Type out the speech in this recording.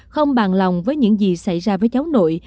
không bàn lòng với những gì xảy ra với cháu nội